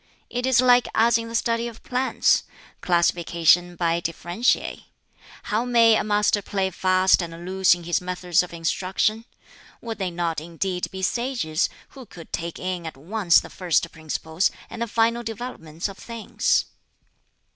It is like as in the study of plants classification by differentiae. How may a master play fast and loose in his methods of instruction? Would they not indeed be sages, who could take in at once the first principles and the final developments of things?"